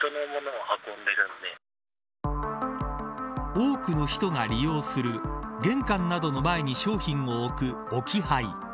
多くの人が利用する玄関などの前に商品を置く置き配。